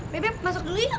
bebek masuk dulu yuk